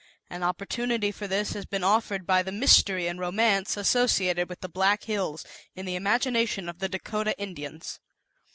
An opportunity for this has been offered by the Mystery and Romance associated with the Black Hills in the imagination of the Dakota Indians.